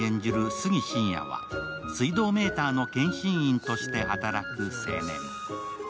杉信也は水道メーターの検針員として働く青年。